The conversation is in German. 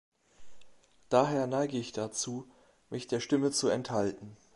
Daher neige ich dazu, mich der Stimme zu enthalten.